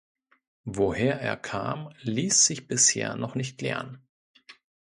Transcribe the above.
Woher er kam ließ sich bisher noch nicht klären.